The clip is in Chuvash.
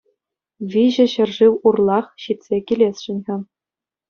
Виҫӗ ҫӗршыв урлах ҫитсе килесшӗн-ха.